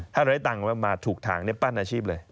ถ้าได้ตังค์มาถูกทางปั้นอาชีพเลย